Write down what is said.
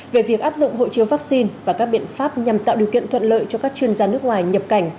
về việc áp dụng hộ chiếu vaccine và các biện pháp nhằm tạo điều kiện thuận lợi cho các chuyên gia nước ngoài nhập cảnh